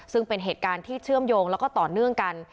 ซึ่งเป็นเหตุการณ์ที่เชื่อมโยงแล้วก็ต่อเนื่องกัน